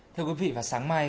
thưa quý vị và sáng mai